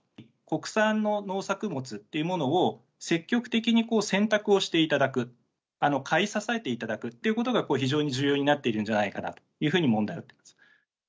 国産の農作物っていうものを、積極的に選択をしていただく、買い支えていただくってことが、これ、非常に重要になっているんじゃないかと思っております。